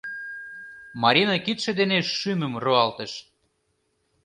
— Марина кидше дене шӱмым руалтыш.